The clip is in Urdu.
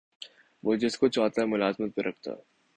وہ جس کو چاہتا ملازمت پر رکھتا